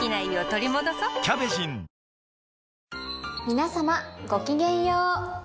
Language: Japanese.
皆様ごきげんよう。